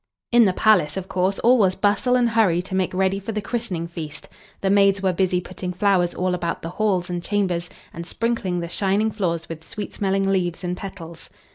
In the palace, of course, all was bustle and hurry to make ready for the christening feast; the maids were busy putting flowers all about the halls and chambers, and sprinkling the shining floors with sweet smelling leaves and petals.